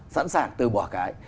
sẵn sàng từ bỏ cái